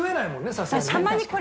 さすがにね。